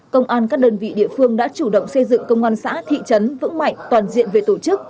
công an các đơn vị địa phương đã chủ động xây dựng công an xã thị trấn vững mạnh toàn diện về tổ chức